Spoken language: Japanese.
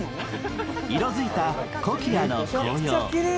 色づいたコキアの紅葉。